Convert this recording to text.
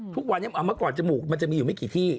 ทุกวันนี้เมื่อก่อนจมูกมันจะมีอยู่ไม่กี่ที่